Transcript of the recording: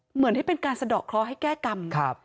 เหมือนที่เป็นการสะดอกเคราะห์ให้แก้กรรม